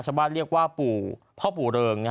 ชาวบ้านเรียกว่าพ่อปู่เริง